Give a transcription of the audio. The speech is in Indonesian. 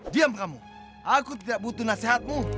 diam kamu aku tidak butuh nasihatmu